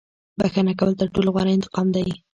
• بښنه کول تر ټولو غوره انتقام دی.